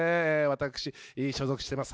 私所属してます